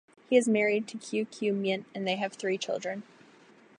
He is married to Kyu Kyu Myint and they have three children.